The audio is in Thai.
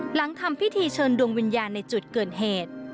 หลังทำพิธีเชิญดวงวิญญาณในจุดเกิดเหตุ